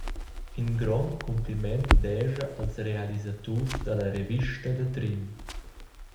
In grond cumpliment descha als realisaturs dalla Revista da Trin.